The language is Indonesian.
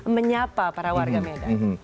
menyapa para warga medan